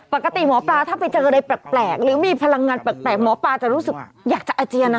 ปกติหมอปลาถ้าไปเจออะไรแปลกหรือมีพลังงานแปลกหมอปลาจะรู้สึกอยากจะอาเจียน